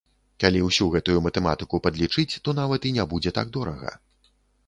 Калі ўсю гэтую матэматыку падлічыць, то нават і не будзе так дорага.